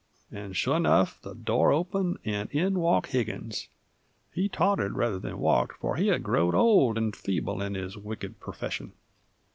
And, sure enough! the door opened, and in walked Higgins. He tottered rather than walked, f'r he had growed old 'nd feeble in his wicked perfession.